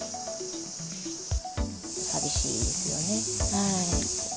寂しいですよね。